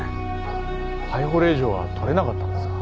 逮捕令状はとれなかったんですか？